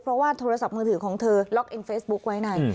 เพราะว่าโทรศัพท์มือถือของเธอล็อกเอ็นเฟซบุ๊คไว้ใน